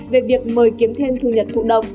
về việc mời kiếm thêm thu nhật thụ độc